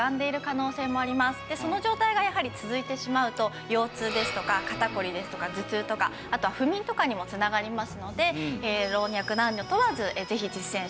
その状態がやはり続いてしまうと腰痛ですとか肩こりですとか頭痛とかあとは不眠とかにも繋がりますので。